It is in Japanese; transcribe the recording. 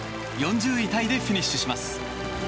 ４０位タイでフィニッシュします。